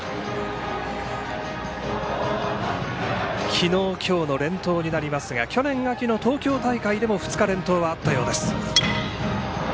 昨日、今日の連投になりますが去年秋の東京大会でも２日連投はあったようです。